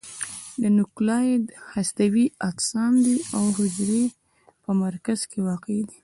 نوکلوئید هستوي اجسام دي او د حجرې په مرکز کې واقع دي.